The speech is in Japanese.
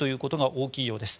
大きいようです。